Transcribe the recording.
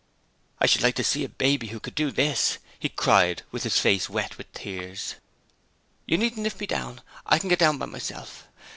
'I should like to see a baby who could do this,' he cried, with his face wet with tears. 'You needn't lift me down. I can get down by myself.